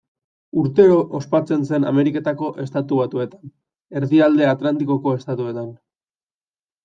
Urtero ospatzen zen Ameriketako Estatu Batuetan, Erdialde Atlantikoko Estatuetan.